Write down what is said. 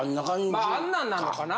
まああんなんなのかな？